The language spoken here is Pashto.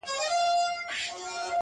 اې تاته وايم دغه ستا تر سترگو بـد ايسو”